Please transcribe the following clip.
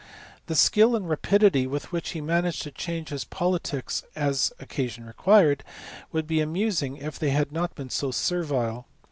The skill and rapidity with which he managed to change his politics as occasion required would be amusing if they had not been so servile.